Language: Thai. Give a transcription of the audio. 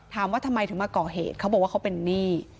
ถามว่าทำไมถึงมาก่อเหตุเขาบอกว่าเขาเป็นหนี้